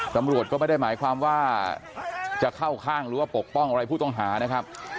ตำรวจก็ไม่ได้หมายความว่าจะเข้าข้างหรือว่าปกป้องอะไรผู้ต้องหานะครับ